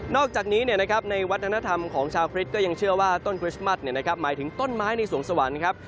อกจากนี้ในวัฒนธรรมของชาวคริสก็ยังเชื่อว่าต้นคริสต์มัสหมายถึงต้นไม้ในสวงสวรรค์ครับ